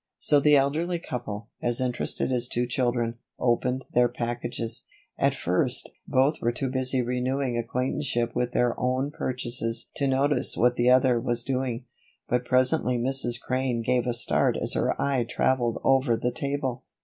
So the elderly couple, as interested as two children, opened their packages. At first, both were too busy renewing acquaintanceship with their own purchases to notice what the other was doing; but presently Mrs. Crane gave a start as her eye traveled over the table.